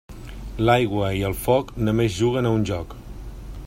L'aigua i el foc només juguen a un joc.